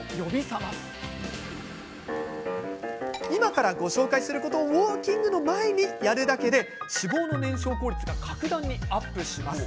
今からご紹介することをウォーキングの前にやるだけで脂肪の燃焼効率が格段にアップします。